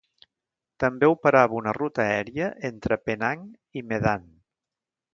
També operava una ruta aèria entre Penang i Medan.